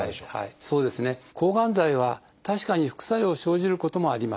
抗がん剤は確かに副作用を生じることもあります。